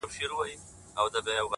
لذت پروت وي;